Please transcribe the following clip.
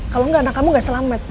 kalau enggak anak kamu gak selamat